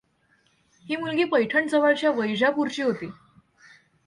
ही मुलगी पैठणजवळच्या वैजापूरची होती.